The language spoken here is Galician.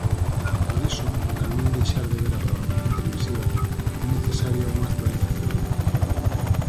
Por iso, para non deixar de ver a programación televisiva, é necesaria unha actualización.